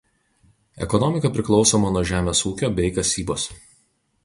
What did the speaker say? Ekonomika priklausoma nuo žemės ūkio bei kasybos.